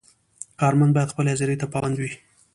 کارمند باید خپلې حاضرۍ ته پابند وي.